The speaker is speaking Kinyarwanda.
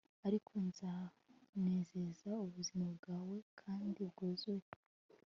ariko nzanezeza ubuzima bwawe kandi bwuzuye